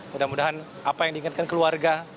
semoga apa yang diinginkan keluarga